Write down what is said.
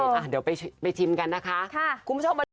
เดี๋ยวไปชิมกันนะคะคุณผู้ชมมาดู